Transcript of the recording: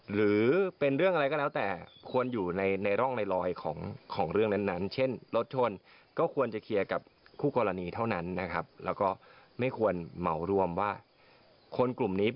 หลุมด่าผมว่าพฤติกรรมนี้